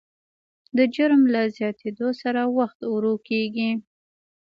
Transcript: د جرم له زیاتېدو سره وخت ورو کېږي.